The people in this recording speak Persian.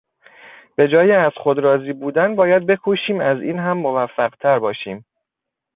به جای از خود راضی بودن باید بکوشیم از این هم موفقتر باشیم.